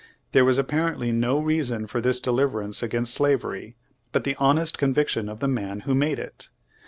There was apparently no reason for this deliverance against slavery but the honest conviction of the man who made it.